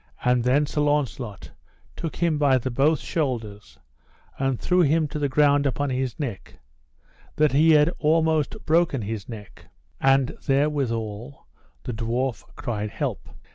And then Sir Launcelot took him by the both shoulders and threw him to the ground upon his neck, that he had almost broken his neck; and therewithal the dwarf cried help.